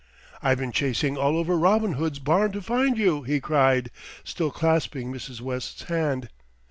"I've been chasing all over Robin Hood's barn to find you," he cried, still clasping Mrs. West's hand.